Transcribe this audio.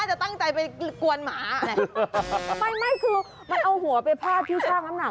จะตั้งใจไปกวนหมาอะไรไม่ไม่คือมันเอาหัวไปพาดพิ้วช่างน้ำหนัก